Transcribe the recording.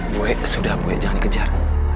buwe sudah buwe jangan dikejar